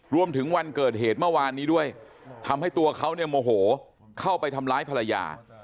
วันเกิดเหตุเมื่อวานนี้ด้วยทำให้ตัวเขาเนี่ยโมโหเข้าไปทำร้ายภรรยา